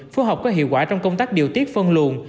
phù hợp có hiệu quả trong công tác điều tiết phân luồn